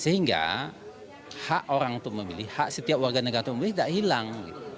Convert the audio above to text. sehingga hak orang untuk memilih hak setiap warga negara memilih tidak hilang